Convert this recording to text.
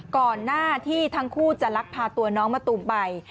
ก่อนหน้าที่ทั้งคู่จะลักพาตัวน้องมะตูมไป